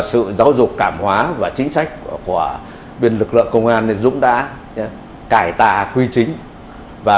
sự giáo dục cảm hóa và chính sách của bên lực lượng công an dũng đã cải tạo quy chính và